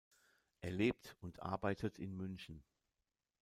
Er lebt und arbeitet in München.